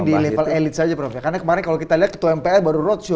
mungkin di level elit saja prof karena kemarin ketua mpr baru roadshow